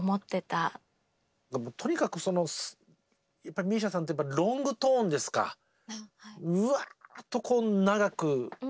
とにかくＭＩＳＩＡさんってロングトーンですかうわっとこう長く続く。